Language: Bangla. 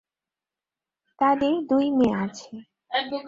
তাদের দুই মেয়ে আছে।